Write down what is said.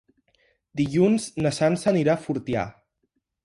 Dilluns na Sança anirà a Fortià.